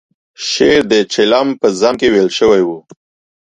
شعر د چلم په ذم کې ویل شوی و.